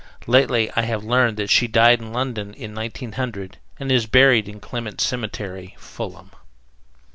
Lately I have learned that she died in London in 1900 and is buried in Clements Cemetery, Fulham.